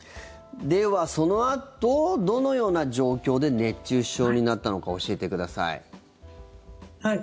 ではそのあとどのような状況で熱中症になったのか教えてください。